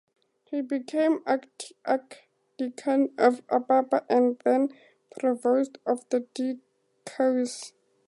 He became Archdeacon of Apapa and then Provost of the diocese.